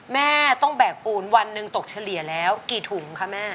แม่ต้องแบกปูนวันหนึ่งตกเฉลี่ยแล้วกี่ถุงคะแม่